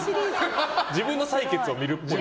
自分の採血を見るっぽい。